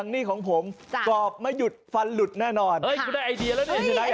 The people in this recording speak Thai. เยิ้มมาเลย